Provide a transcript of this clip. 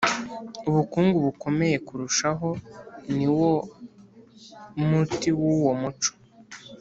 ubukungu bukomeye kurushaho ni uwo mutima n’uwo muco